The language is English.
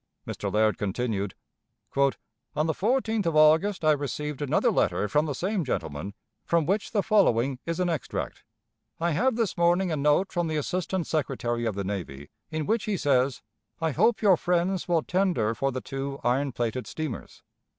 Mr. Laird continued: "On the 14th of August I received another letter from the same gentleman, from which the following is an extract: 'I have this morning a note from the Assistant Secretary of the Navy, in which he says, "I hope your friends will tender for the two iron plated steamers."'"